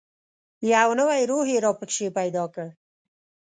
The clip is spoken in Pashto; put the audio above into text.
یو نوی روح یې را پکښې پیدا کړ.